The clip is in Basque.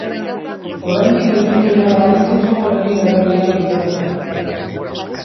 Oraindik ez dute iragarri zein jokorekin erabili ahal izango den.